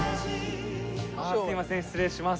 すいません失礼します。